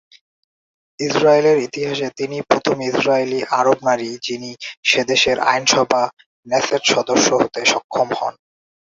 ইসরাইলের ইতিহাসে তিনিই প্রথম ইসরায়েলি আরব নারী যিনি সেদেশের আইনসভা নেসেট সদস্য হতে সক্ষম হন।